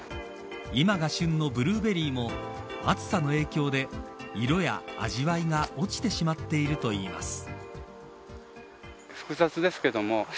今が旬のブルーベリーも暑さの影響で色や味わいが落ちてしまっているといいます。